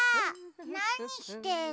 なにしてるの？